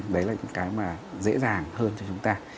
đấy là những cái mà dễ dàng hơn cho chúng ta